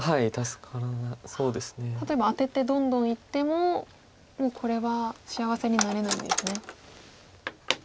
例えばアテてどんどんいってももうこれは幸せになれないんですね。